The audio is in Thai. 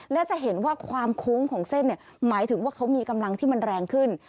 และจะเห็นว่าความโค้งของเส้นหมายถึงว่าเขามีกำลังที่มันแรงขึ้น